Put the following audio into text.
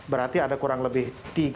berarti ada kurang lebih